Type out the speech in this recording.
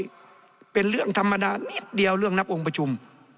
นี่เป็นเรื่องธรรมดานิดเดียวเรื่องนับองค์ประชุม